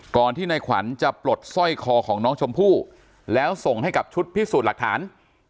ก่อนที่ในขวัญจะปลดสร้อยคอของน้องชมพู่แล้วส่งให้กับชุดพิสูจน์หลักฐาน